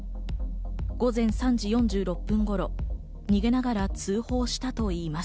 午前３時４６分頃、逃げながら通報したといいます。